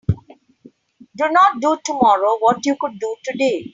Do not do tomorrow what you could do today.